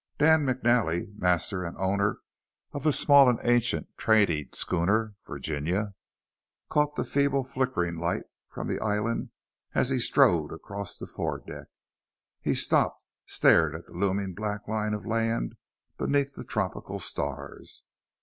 Dan McNally, master and owner of the small and ancient trading schooner, Virginia, caught the feeble flickering light from the island as he strode across the fore deck. He stopped, stared at the looming black line of land beneath the tropical stars.